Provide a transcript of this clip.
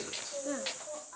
うん。